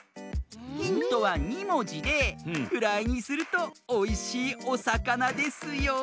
ヒントは２もじでフライにするとおいしいおさかなですよ。